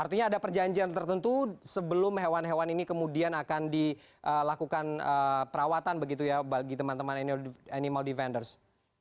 artinya ada perjanjian tertentu sebelum hewan hewan ini kemudian akan dilakukan perawatan begitu ya bagi teman teman animal defenders